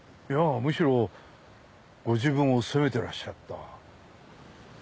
いやむしろご自分を責めてらっしゃった。